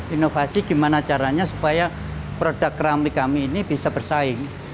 inovasi gimana caranya supaya produk ramli kami ini bisa bersaing